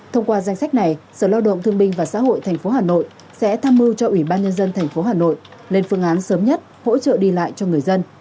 thông qua danh sách này sở lao động thương binh và xã hội tp hà nội sẽ tham mưu cho ủy ban nhân dân tp hà nội lên phương án sớm nhất hỗ trợ đi lại cho người dân